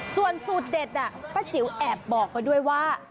ส่วนสูตรเด็ดป้าจิ๋วแอบบอกไว้ด้วยว่า